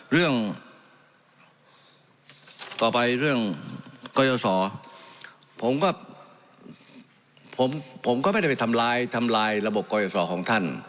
เรื่องต่อไปเรื่องกยศผมก็ไม่ได้ไปทำลายระบบกยศของท่าน